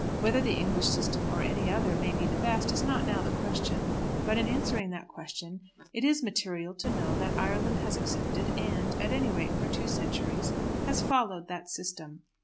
Whether the English system or any other may be the best is not now the question. But in answering that question it is material to know that Ireland has accepted and, at any rate for two centuries, has followed that system.